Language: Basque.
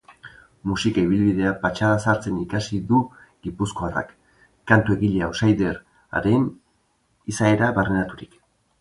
Musika ibilbidea patxadaz hartzen ikasi du gipuzkoarrak, kantu egile outsider-aren izaera barneraturik.